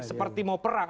seperti mau perang